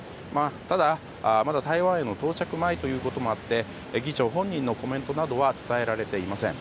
ただ、まだ台湾への到着前ということもあって議長本人のコメントなどは伝えられていません。